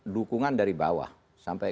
dukungan dari bawah sampai